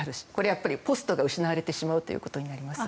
やっぱりポストが失われてしまうということになります。